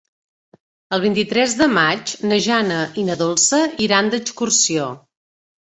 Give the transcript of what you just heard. El vint-i-tres de maig na Jana i na Dolça iran d'excursió.